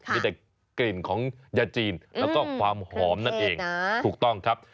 มีแต่กลิ่นของยาจีนแล้วก็ความหอมนั่นเองถูกต้องครับ